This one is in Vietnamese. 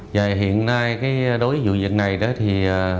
và hiện nay cái đối dụng dân này đó thì